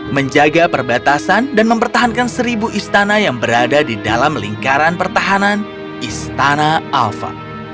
menjaga perbatasan dan mempertahankan seribu istana yang berada di dalam lingkaran pertahanan istana alfa